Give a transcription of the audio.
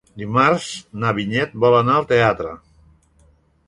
Dimarts na Vinyet vol anar al teatre.